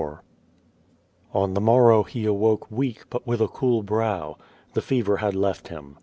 On the morrow he awoke weak, but with a cool brow. The fever had left him.